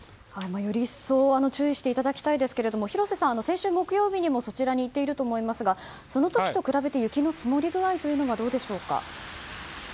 より一層注意していただきたいですけれど広瀬さん、先週木曜日にもそちらに行っていると思いますがその時と比べて雪の積もり具合はどうでしょうか。